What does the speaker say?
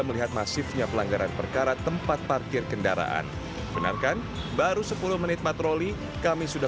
melihat masifnya pelanggaran perkara tempat parkir kendaraan benarkan baru sepuluh menit patroli kami sudah